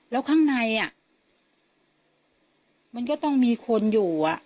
แล้วข้างในมันก็ต้องมีคนอยู่